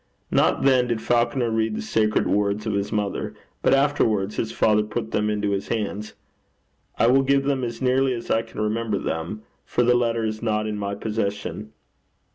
Not then did Falconer read the sacred words of his mother; but afterwards his father put them into his hands. I will give them as nearly as I can remember them, for the letter is not in my possession.